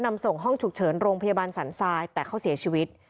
นำส่งห้องฉุกเฉินโรงพยาบาลสันทรายแต่เขาเสียชีวิต